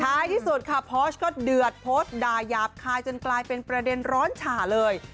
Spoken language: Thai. ที่สุดค่ะพอชก็เดือดโพสต์ด่ายาบคายจนกลายเป็นประเด็นร้อนฉ่าเลย